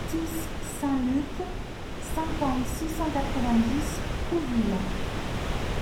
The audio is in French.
six saint Luc, cinquante, six cent quatre-vingt-dix, Couville